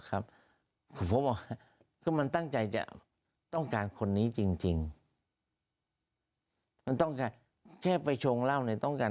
รับรองไม่ใช่หรอคะ